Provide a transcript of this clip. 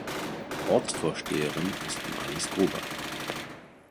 Ortsvorsteherin ist Marlies Gruber.